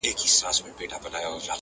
زه به سم آباد وطنه بس چي ته آباد سې.